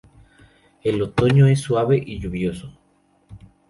El otoño es suave y lluvioso.